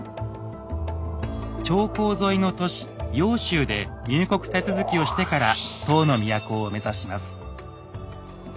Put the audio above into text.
長江沿いの都市揚州で入国手続きをしてから唐の都を目指します。